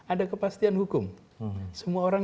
ada kepastian hukum semua orang